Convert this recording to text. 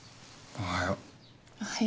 おはよう。